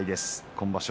今場所